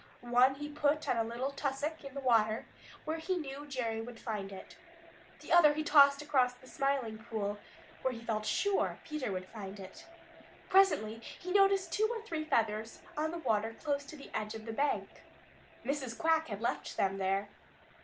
One he put on a little tussock in the water where he knew Jerry would find it. The other he tossed across the Smiling Pool where he felt sure Peter would find it. Presently he noticed two or three feathers on the water close to the edge of the bank. Mrs. Quack had left them there.